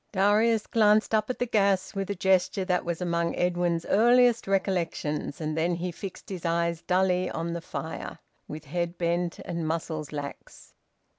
Darius glanced up at the gas, with a gesture that was among Edwin's earliest recollections, and then he fixed his eyes dully on the fire, with head bent and muscles lax.